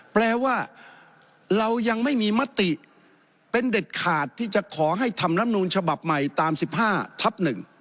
แปลว่าเรายังไม่มีมติเป็นเด็ดขาดที่จะขอให้ทำลำนูลฉบับใหม่ตาม๑๕ทับ๑